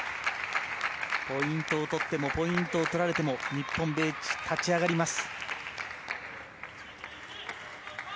ポイントを取ってもポイントを取られても日本チームは立ち上がります。